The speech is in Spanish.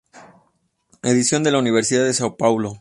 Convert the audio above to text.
Edición de la Universidad de São Paulo.